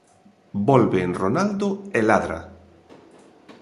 Volven Ronaldo e Ladra.